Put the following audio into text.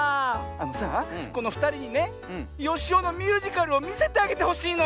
あのさあこのふたりにねよしおのミュージカルをみせてあげてほしいの！